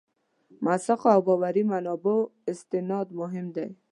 موثقو او باوري منابعو استناد مهم دی.